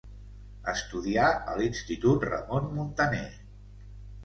Estudià a l'Institut Ramon Muntaner.